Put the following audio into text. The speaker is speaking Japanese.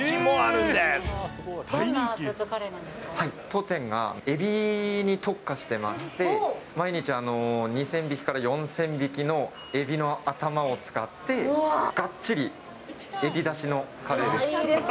当店がエビに特化してまして、毎日、２０００匹から４０００匹のエビの頭を使って、がっちりエビだしいいですね。